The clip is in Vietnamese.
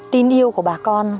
tin yêu của bà con